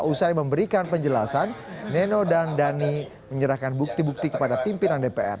usai memberikan penjelasan neno dan dhani menyerahkan bukti bukti kepada pimpinan dpr